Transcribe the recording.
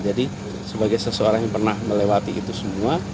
jadi sebagai seseorang yang pernah melewati itu semua